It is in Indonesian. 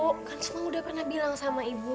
kan sumang udah pernah bilang sama ibu